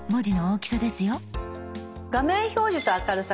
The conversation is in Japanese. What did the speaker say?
「画面表示と明るさ」